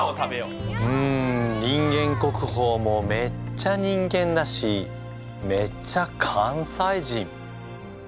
うん人間国宝もめっちゃ人間だしめっちゃ関西人。